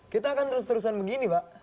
kita akan terus terusan begini pak